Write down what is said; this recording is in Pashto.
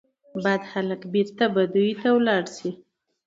بد هلک بیرته بدیو ته ولاړ سي